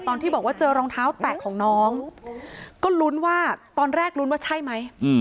ตอนที่บอกว่าเจอรองเท้าแตะของน้องก็ลุ้นว่าตอนแรกลุ้นว่าใช่ไหม